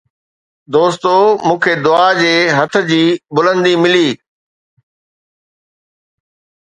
دوستو! مون کي دعا جي هٿ جي بلندي ملي